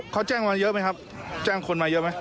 เขาแจ้งมาเยอะไหมครับแจ้งคนมาเยอะไหม